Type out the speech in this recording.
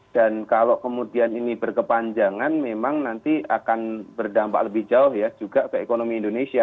dan kalau kemudian ini berkepanjangan memang nanti akan berdampak lebih jauh ya juga ke ekonomi indonesia